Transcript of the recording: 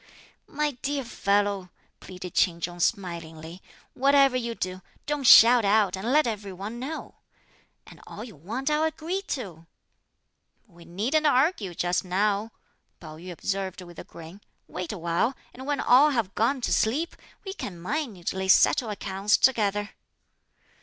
"My dear fellow," pleaded Ch'in Chung smilingly, "whatever you do don't shout out and let every one know; and all you want, I'll agree to." "We needn't argue just now," Pao yü observed with a grin; "wait a while, and when all have gone to sleep, we can minutely settle accounts together."